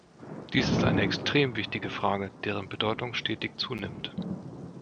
Dies ist eine extrem wichtige Frage, deren Bedeutung stetig zunimmt.